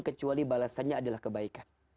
kecuali balasannya adalah kebaikan